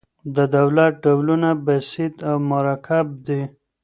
د دولت ډولونه بسیط او مرکب دي.